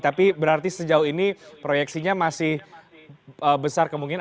tapi berarti sejauh ini proyeksinya masih besar kemungkinan